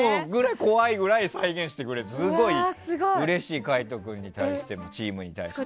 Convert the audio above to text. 怖いぐらい再現してくれてすごいうれしい海人君に対してもチームに対しても。